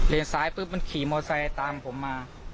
ซ้ายปุ๊บมันขี่มอไซค์ตามผมมา